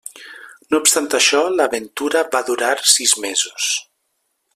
No obstant això, l'aventura va durar sis mesos.